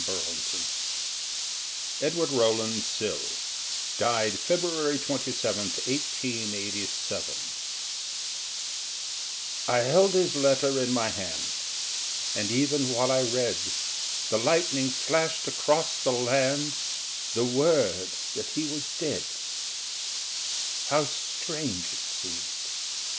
THE LETTER EDWARD ROWLAND SILL, DIED FEBRUARY 27, 1887 I held his letter in my hand, And even while I read The lightning flashed across the land The word that he was dead. How strange it seemed!